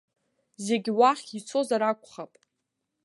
Зегьы уахь ицозар акәхап.